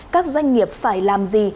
các doanh nghiệp phải làm gì